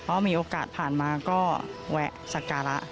เพราะมีโอกาสผ่านมาก็แวะสการะ